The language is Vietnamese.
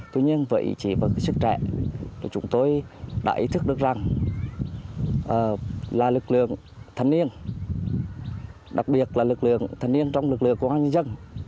tuy nhiên với ý chí và sức trẻ chúng tôi đã ý thức được rằng là lực lượng thanh niên đặc biệt là lực lượng thanh niên trong lực lượng công an nhân dân